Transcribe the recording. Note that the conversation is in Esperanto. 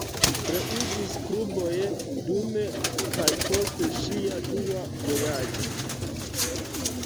Kreiĝis kluboj dum kaj post ŝia dua vojaĝo.